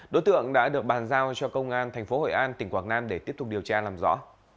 đối tượng đã được bàn giao cho công an tp hội an tỉnh quảng nam để tiếp tục điều tra làm rõ